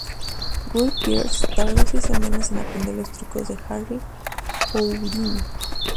Guy Pearce tardó seis semanas en aprender los trucos de Harry Houdini.